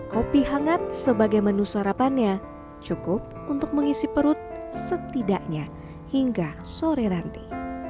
kopi hangat sebagai menu sarapannya cukup untuk mengisi perut setidaknya hingga sore nanti